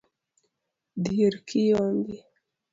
Dhier kiyombi